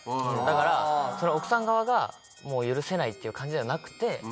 だから奥さん側がもう許せない！っていう感じじゃなくて。